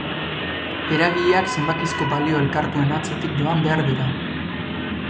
Eragileak zenbakizko balio elkartuen atzetik joan behar dira.